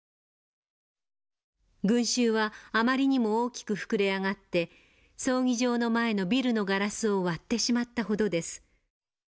「群衆はあまりにも大きく膨れ上がって葬儀場の前のビルのガラスを割ってしまったほどです。